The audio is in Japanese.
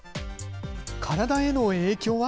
体への影響は？